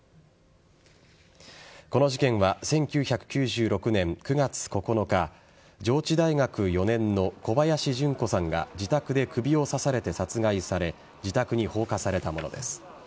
この事件は１９９６年９月９日上智大学４年の小林順子さんが自宅で首を刺されて殺害され自宅に放火されたものです。